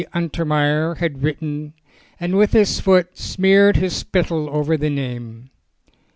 Untermeyer had written, and with his foot smeared his spittle over the name.